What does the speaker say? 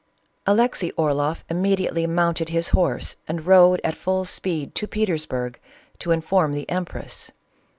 Alexey Orloff immediately mounted his horse and rode at full speed to Petersburg, to inform the em press.